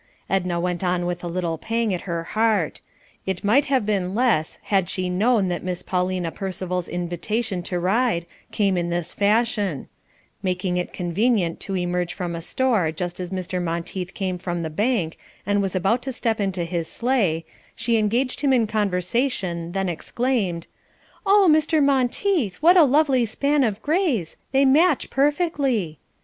Edna went on with a little pang at her heart; it might have been less had she known that Miss Paulina Percival's invitation to ride came in this fashion: Making it convenient to emerge from a store just as Mr. Monteith came from the bank and was about to step into his sleigh, she engaged him in conversation, then exclaimed: "Oh, Mr. Monteith! What a lovely span of greys, they match perfectly."